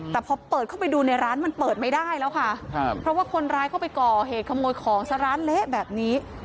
แต่พอเปิดเข้าไปดูในร้านมันเปิดไม่ได้แล้วค่ะครับเพราะว่าคนร้ายเข้าไปก่อเหตุขโมยของซะร้านเละแบบนี้